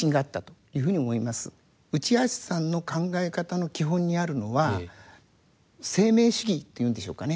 内橋さんの考え方の基本にあるのは生命主義というんでしょうかね。